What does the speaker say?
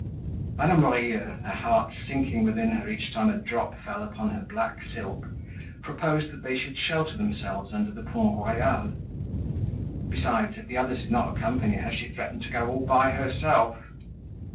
Madame Lorilleux, her heart sinking within her each time a drop fell upon her black silk, proposed that they should shelter themselves under the Pont Royal; besides if the others did not accompany her, she threatened to go all by herself.